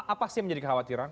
apa sih yang menjadi kekhawatiran